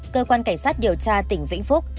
cơ quan cảnh sát điều tra tỉnh vĩnh phúc